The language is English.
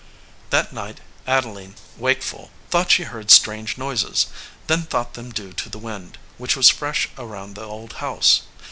That night, Adeline, wakeful, thought she heard strange noises ; then thought them due to the wind, which was fresh around the old house.